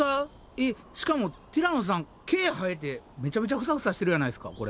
えっしかもティラノさん毛生えてめちゃめちゃフサフサしてるやないですかこれ。